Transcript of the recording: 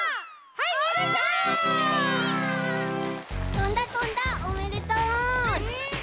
とんだとんだおめでとう！